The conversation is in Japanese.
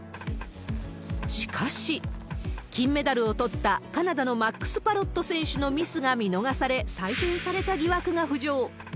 しかし、金メダルを取ったカナダのマックス・パロット選手のミスが見逃され、採点された疑惑が浮上。